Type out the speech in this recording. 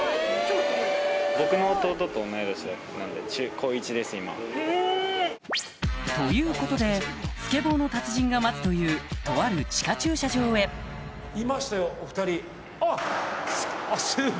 超すごい！へぇ！ということでスケボーの達人が待つというとある地下駐車場へあっ！